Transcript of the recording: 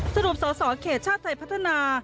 สรุปสอสอเขตชาติไทยพัฒนา